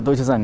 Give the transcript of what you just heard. tôi chắc rằng